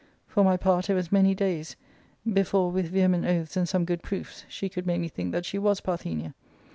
For my part, it was many days before, with vehement oaths and some good proofs, she could make me think that she was Parthenia.